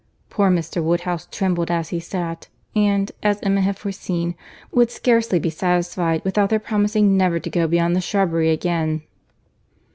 Poor Mr. Woodhouse trembled as he sat, and, as Emma had foreseen, would scarcely be satisfied without their promising never to go beyond the shrubbery again.